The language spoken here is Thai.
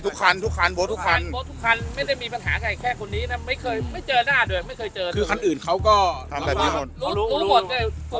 คือคันอื่นเขาก็รู้หมดเลย